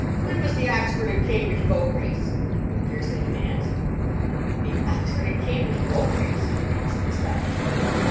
"When was the Oxford and Cambridge Boat race?" he fiercely demands. "The Oxford and Cambridge Boat race!" repeats the astonished youth.